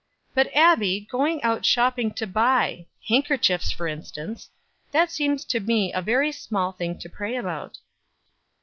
"But, Abbie, going out shopping to buy handkerchiefs, for instance; that seems to me a very small thing to pray about."